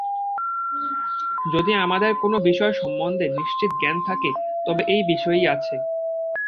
যদি আমাদের কোন বিষয় সম্বন্ধে নিশ্চিত জ্ঞান থাকে, তবে এই বিষয়েই আছে।